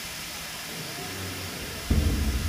Amek ay tellamt akk?